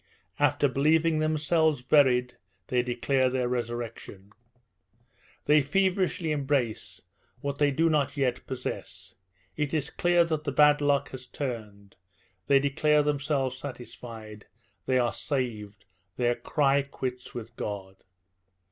After believing themselves buried, they declare their resurrection; they feverishly embrace what they do not yet possess; it is clear that the bad luck has turned; they declare themselves satisfied; they are saved; they cry quits with God.